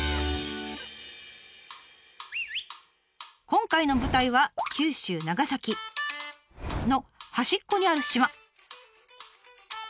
今回の舞台は九州長崎の端っこにある島。